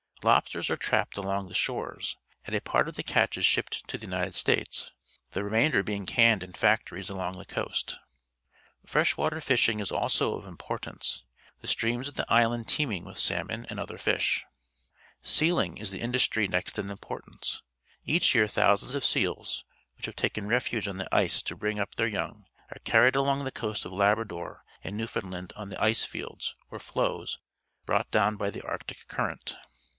Lobsters are trapped along the shores, and a part of the catch is shipped to the ITnited States, the remainder being canned in factories along the coast. Freshwater fishing is also of importance, the streams of the island teeming with salmon and other fish. .S ealing, is the industry next in importance. Each year thousands of seals , which have taken refuge on the ice to bring up their young, are carrietl along the coast of Labrador and Newfoundland on the ice fields, or floes, brought down by the Arctic Current.